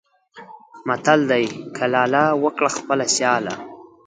متل دی: کلاله! وکړه خپله سیاله.